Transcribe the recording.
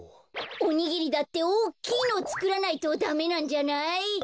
おにぎりだっておっきいのをつくらないとダメなんじゃない？